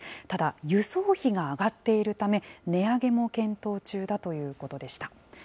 ただ、輸送費が上がっているため、値上げも検討中だということでした。